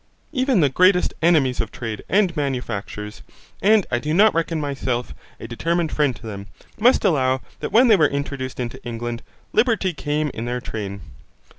Even the greatest enemies of trade and manufactures, and I do not reckon myself a very determined friend to them, must allow that when they were introduced into England, liberty came in their train.